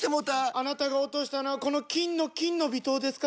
あなたが落としたのはこの金の「金の微糖」ですか？